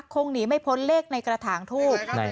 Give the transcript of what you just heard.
คงหนีไม่พ้นเลขในกระถางทูบ